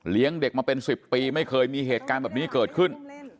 เด็กมาเป็น๑๐ปีไม่เคยมีเหตุการณ์แบบนี้เกิดขึ้น